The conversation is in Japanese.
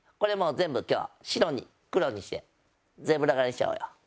全部今日白に黒にしてゼブラ柄にしちゃおうよ。